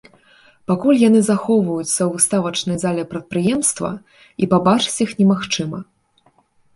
Пакуль яны захоўваюцца ў выставачнай зале прадпрыемства, і пабачыць іх немагчыма.